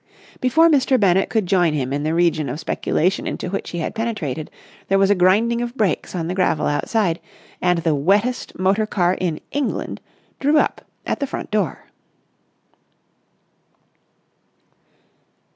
Before Mr. Bennett could join him in the region of speculation into which he had penetrated, there was a grinding of brakes on the gravel outside, and the wettest motor car in England drew up at the front door.